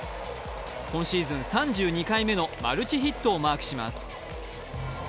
今シーズン３２回目のマルチヒットをマークします。